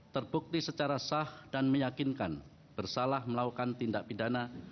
terbukti secara sah dan meyakinkan bersalah melakukan tindak pidana